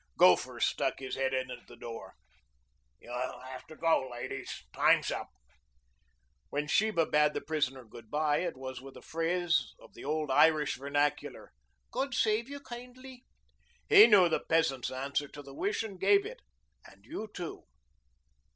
Gopher stuck his head in at the door. "You'll have to go, ladies. Time's up." When Sheba bade the prisoner good bye it was with a phrase of the old Irish vernacular. "God save you kindly." He knew the peasant's answer to the wish and gave it. "And you too."